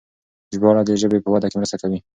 ژباړه د ژبې په وده کې مرسته کوي.